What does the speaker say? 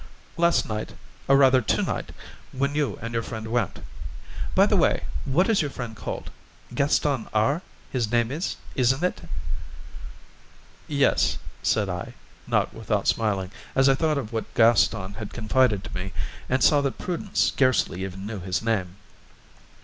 "Last night, or rather to night, when you and your friend went. By the way, what is your friend called? Gaston R., his name is, isn't it?" "Yes," said I, not without smiling, as I thought of what Gaston had confided to me, and saw that Prudence scarcely even knew his name.